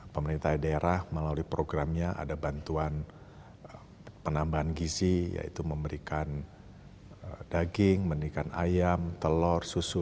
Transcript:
pemerintah daerah melalui programnya ada bantuan penambahan gizi yaitu memberikan daging memberikan ayam telur susu